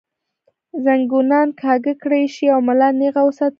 زنګونان کاږۀ کړے شي او ملا نېغه وساتلے شي